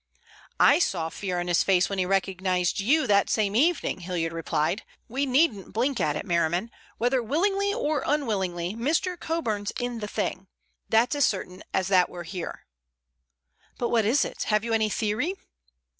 "I saw fear on his face when he recognized you that same evening," Hilliard replied. "We needn't blink at it, Merriman. Whether willingly or unwillingly, Mr. Coburn's in the thing. That's as certain as that we're here." "But what is it? Have you any theory?"